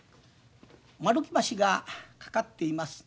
丸木橋が架かっています。